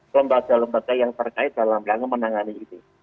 lembaga lembaga yang terkait dalam rangka menangani ini